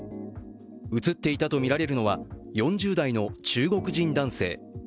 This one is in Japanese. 映っていたとみられるのは４０代の中国人男性。